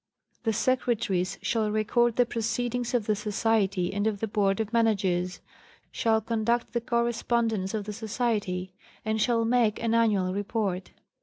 The Secretaries shall record the proceedings of the Society and of the Board of Managers; shall conduct the correspondence of the Society ; and shall make an annual report.